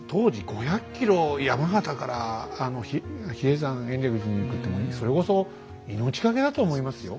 当時５００ｋｍ山形から比叡山延暦寺に行くってもうそれこそ命懸けだと思いますよ。